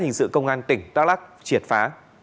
hình sự công an tỉnh đa lắc triệt phá